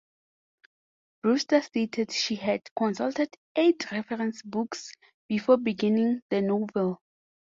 Broster stated she had consulted eighty reference books before beginning the novel.